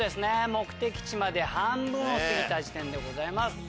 目的地まで半分を過ぎた地点でございます。